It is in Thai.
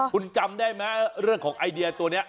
คุณจำได้ไหมเรื่องของไอเดียตัวนี้